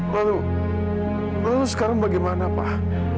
lalu lalu sekarang bagaimana pak